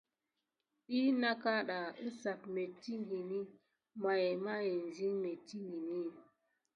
Def nɑŋ kaɗɑ əsap mettingən may ma iŋzinŋ mettingeni.